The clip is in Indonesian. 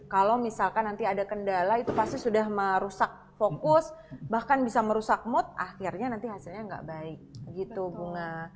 kalau misalkan nanti ada kendala itu pasti sudah merusak fokus bahkan bisa merusak mood akhirnya nanti hasilnya nggak baik gitu bunga